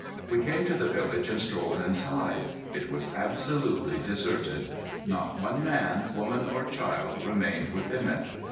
We came to the village and strolled inside. It was absolutely deserted. Not one man, woman, or child remained within it.